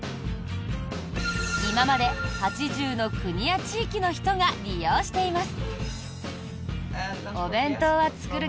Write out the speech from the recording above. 今まで８０の国や地域の人が利用しています。